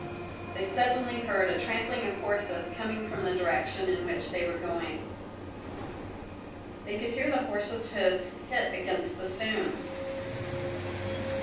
They suddenly heard a trampling of horses coming from the direction in which they were going. They could hear the horse's hoofs hit against the stones.